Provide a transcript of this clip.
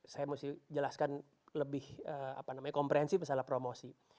saya mesti jelaskan lebih apa namanya komprehensi masalah promosi